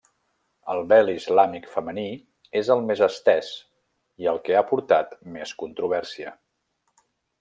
El vel islàmic femení és el més estès i el que ha portat més controvèrsia.